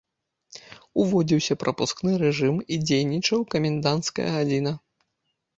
Уводзіўся прапускны рэжым і дзейнічаў каменданцкая гадзіна.